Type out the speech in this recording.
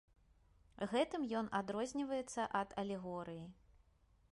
Гэтым ён адрозніваецца ад алегорыі.